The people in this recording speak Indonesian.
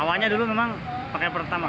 awalnya dulu memang pakai pertama